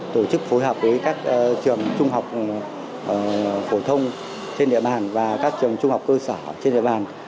tổ chức phối hợp với các trường trung học phổ thông trên địa bàn và các trường trung học cơ sở trên địa bàn